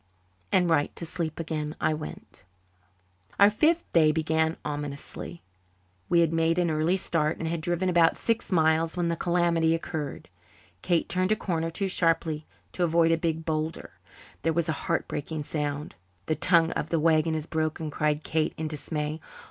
And right to sleep again I went. Our fifth day began ominously. We had made an early start and had driven about six miles when the calamity occurred. Kate turned a corner too sharply, to avoid a big boulder; there was a heart breaking sound. "The tongue of the wagon is broken," cried Kate in dismay.